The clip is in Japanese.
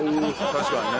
確かにね。